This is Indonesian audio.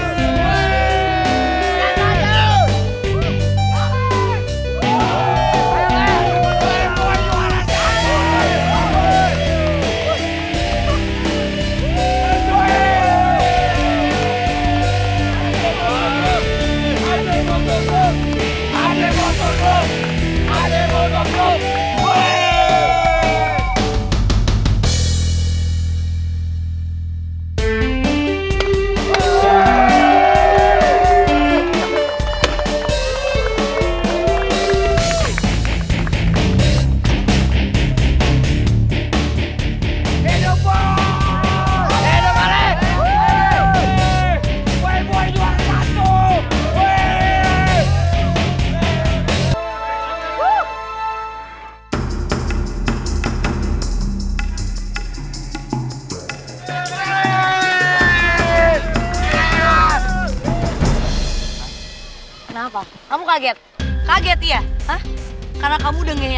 saya mau kasih penjelasan aku dulu